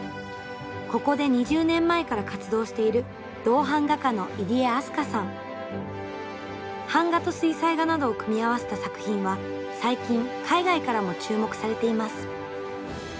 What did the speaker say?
ここで２０年前から活動している版画と水彩画などを組み合わせた作品は最近海外からも注目されています。